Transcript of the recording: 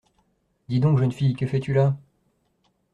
Dis-donc, jeune fille, que fais-tu là?